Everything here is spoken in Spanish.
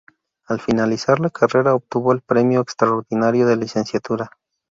Al finalizar la carrera obtuvo el Premio Extraordinario de Licenciatura.